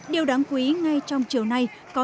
điều đáng quý ngay trong chiều nay